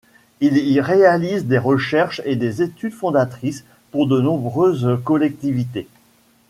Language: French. Il y réalise des recherches et des études fondatrices pour de nombreuses collectivités.